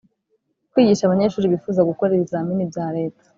Kwigisha abanyeshuri bifuza gukora ibizamini bya leta